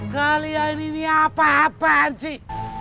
kalian ini apa apaan sih